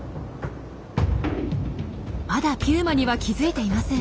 まだピューマには気付いていません。